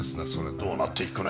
どうなっていくのやら。